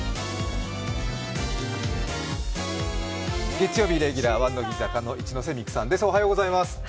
月曜日レギュラーは乃木坂の一ノ瀬美空さんです。